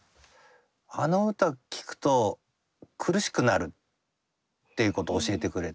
あの歌聴くと苦しくなるっていうことを教えてくれて。